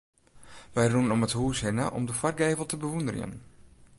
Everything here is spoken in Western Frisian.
Wy rûnen om it hûs hinne om de foargevel te bewûnderjen.